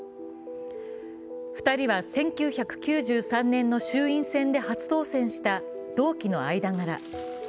２人は１９９３年の衆院選で初当選した同期の間柄。